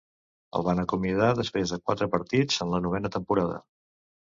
El van acomiadar després de quatre partits en la novena temporada.